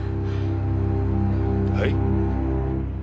はい？